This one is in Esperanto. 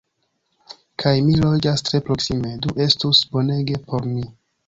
Kaj mi loĝas tre proksime! Do estus bonege por mi!